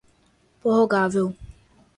prorrogável